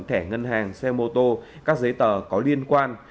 thẻ ngân hàng xe mô tô các giấy tờ có liên quan